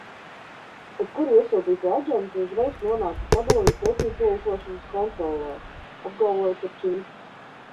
Jebkuri iesūtīti aģenti uzreiz nonāca padomju pretizlūkošanas kontrolē, apgalvoja Turčinskis.